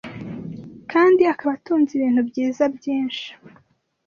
kandi akaba atunze ibintu byiza byinshi